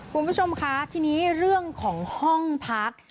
คุณผู้ชมคะทีนี้เรื่องของห้องพัก